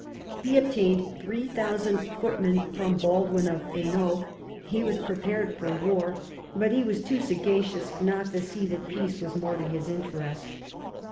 He obtained three thousand footmen from Baldwin of Hainault. He was prepared for war, but he was too sagacious not to see that peace was more to his interest.